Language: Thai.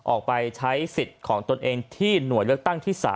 ออกไปใช้สิทธิ์ของตนเองที่หน่วยเลือกตั้งที่๓